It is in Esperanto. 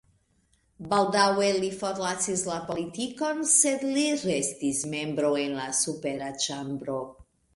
Baldaŭe li forlasis la politikon, sed li restis membro en la supera ĉambro.